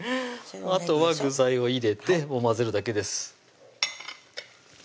あとは具材を入れてもう混ぜるだけです